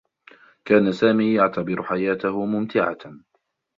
كان سامي يعتبر حياته ممتعة.